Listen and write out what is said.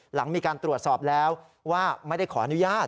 หลังมีการตรวจสอบแล้วว่าไม่ได้ขออนุญาต